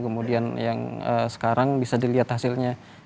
kemudian yang sekarang bisa dilihat hasilnya